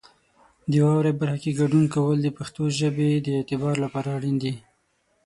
د واورئ برخه کې ګډون کول د پښتو ژبې د اعتبار لپاره اړین دي.